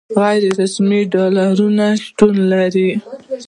غیر رسمي ډالرایزیشن شتون لري.